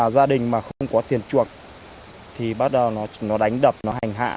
gia đình mà không có tiền chuộc thì bắt đầu nó đánh đập nó hành hạ